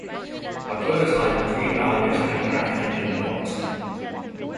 A prototype and three evaluation aircraft had been built.